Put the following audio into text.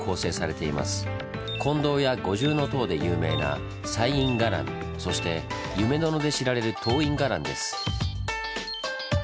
金堂や五重塔で有名な「西院伽藍」そして夢殿で知られる「東院伽藍」です。